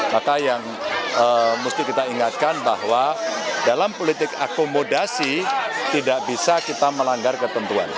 maka yang mesti kita ingatkan bahwa dalam politik akomodasi tidak bisa kita melanggar ketentuan